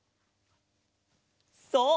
そう！